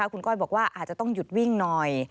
คุณก้อยบอกว่าอาจจะต้องหยุดวิ่งหน่อย